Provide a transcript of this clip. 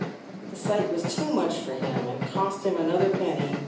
The sight was too much for him, and cost him another penny.